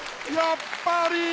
やっぱり！